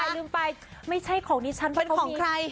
ลืมไปไม่ใช่ของดิฉันเป็นของใคร